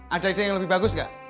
ada ide yang lebih bagus gak